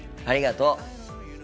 ありがとう。